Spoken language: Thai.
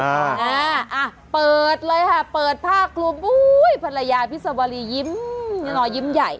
อ่าเปิดเลยค่ะเปิดภาครุมอู้ยภรรยาพี่สวรียิ้มยิ้มใหญ่